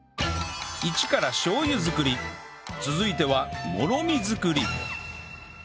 イチからしょう油作り続いてはもろみ作り